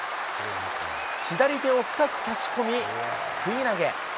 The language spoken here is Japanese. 左手を深く差し込み、すくい投げ。